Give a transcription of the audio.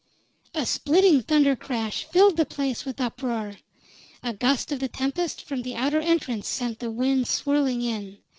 A splitting thunder crash filled the place with uproar; a gust of the tempest from the outer entrance sent the wind swirling in.